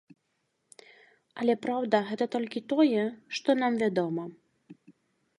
Але, праўда, гэта толькі тое, што нам вядома.